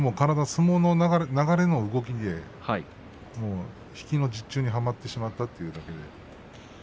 相撲の流れでいうと引きの術中にはまってしまったということですね。